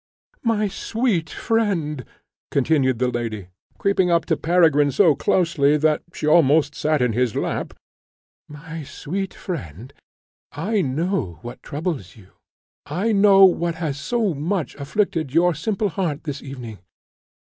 "My sweet friend," continued the lady, creeping up to Peregrine so closely, that she almost sate in his lap "My sweet friend, I know what troubles you; I know what has so much afflicted your simple heart this evening.